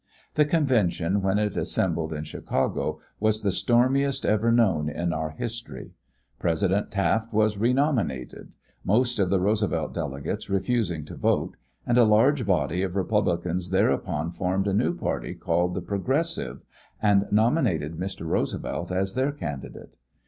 The convention when it assembled in Chicago was the stormiest ever known in our history President Taft was renominated, most of the Roosevelt delegates refusing to vote, and a large body of Republicans thereupon formed a new party called the "Progressive" and nominated Mr. Roosevelt as their candidate.